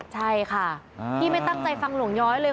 ใช่ค่ะพี่ไม่ตั้งใจฟังหลวงย้อยเลย